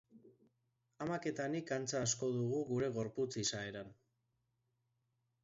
Amak eta nik antza asko dugu gure gorputz izaeran.